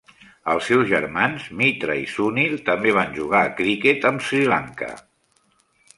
Els seus germans Mithra i Sunil també van jugar a criquet amb l'Sri Lanka.